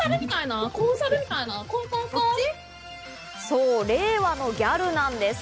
そう、令和のギャルなんです。